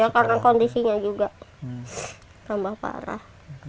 ya karena kondisinya juga tambah parah